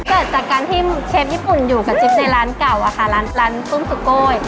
เกิดจากการที่เชฟญี่ปุ่นอยู่กับจิ๊บในร้านเก่าอะค่ะร้านตุ้มสุโกย